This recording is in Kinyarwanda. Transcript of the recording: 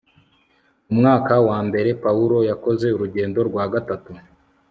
mu mwaka wa mbere pawulo yakoze urugendo rwa gatatu